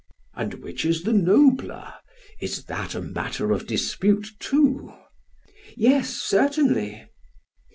"'And which is the nobler? Is that a matter of dispute too?' "'Yes, certainly.'